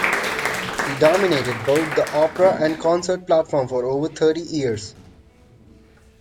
He dominated both the opera and concert platform for over thirty years.